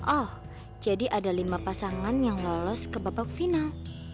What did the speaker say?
oh jadi ada lima pasangan yang lolos ke babak final